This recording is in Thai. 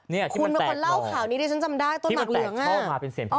นี่คุณเป็นคนเล่าข่าวนี้ที่ฉันจำได้ต้นหมากเหลืองอ่ะ